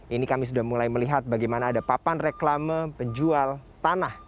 ini kami sudah mulai melihat bagaimana ada papan reklame penjual tanah